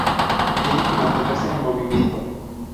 Tienen que mantenerse en movimiento.